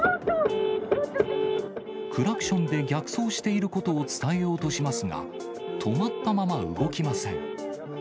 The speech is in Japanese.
クラクションで逆走していることを伝えようとしますが、止まったまま動きません。